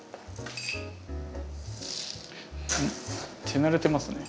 手慣れてますね。